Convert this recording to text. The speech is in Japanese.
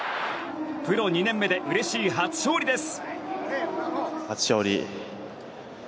プロ２年目でうれしい初勝利です。